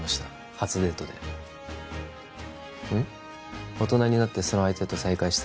初デートで大人になってその相手と再会したら？